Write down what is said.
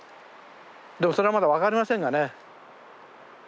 でもそれはまだ分かりませんがね。